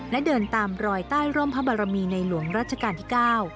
และเดินตามรอยใต้ร่มพระบารมีในหลวงรัชกาลที่๙